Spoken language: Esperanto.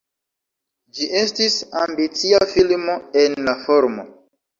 Ĝi estis ambicia filmo en la formo.